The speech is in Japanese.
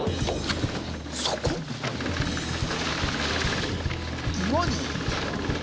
そこ⁉岩に？